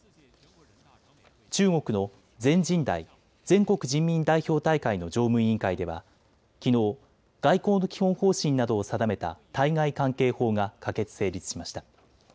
中国の全人代・全国人民代表大会の常務委員会ではきのう外交の基本方針などを定めた対外関係法が可決・成立しました。